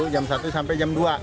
jam satu sampai jam dua